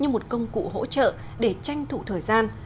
như một công cụ hỗ trợ để tranh thủ thời gian